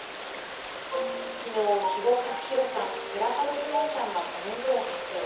きのう、肥後克広さん、寺門ジモンさんがコメントを発表。